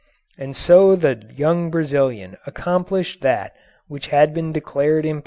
And so the young Brazilian accomplished that which had been declared impossible.